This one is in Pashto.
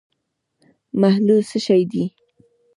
محلول څه شی دی.